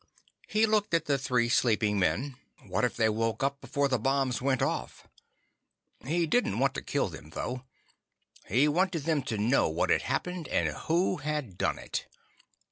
He looked at the three sleeping men. What if they woke up before the bombs went off? He didn't want to kill them though. He wanted them to know what had happened and who had done it.